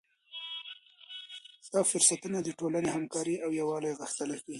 دا فرصتونه د ټولنې همکاري او یووالی غښتلی کوي.